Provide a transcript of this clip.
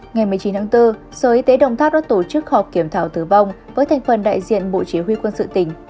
ngày một mươi chín tháng bốn sở y tế đồng tháp đã tổ chức họp kiểm thảo tử vong với thành phần đại diện bộ chỉ huy quân sự tỉnh